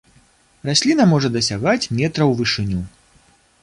Расліна можа дасягаць метра ў вышыню.